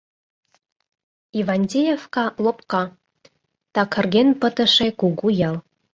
Ивантеевка лопка, такырген пытыше кугу ял.